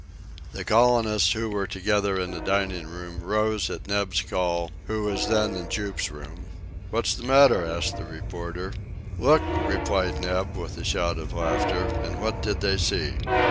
The colonists, who were together in the dining room, rose at Neb's call, who was then in Jup's room. "What's the matter?" asked the reporter. "Look," replied Neb, with a shout of laughter. And what did they see?